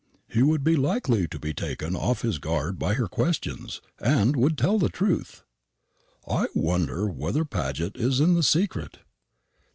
He would be likely to be taken off his guard by her questions, and would tell the truth. I wonder whether Paget is in the secret.